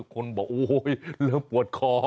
คนบอกโอ๊ยเริ่มปวดคอ